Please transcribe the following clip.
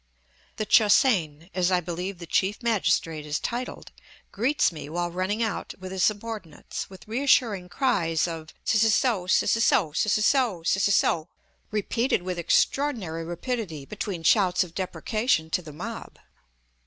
The Che hsein, as I believe the chief magistrate is titled, greets me while running out with his subordinates, with reassuring cries of "S s o, s s o, s s o, s s o," repeated with extraordinary rapidity between shouts of deprecation to the mob.